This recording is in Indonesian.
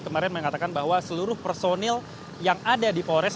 kemarin mengatakan bahwa seluruh personil yang ada di polres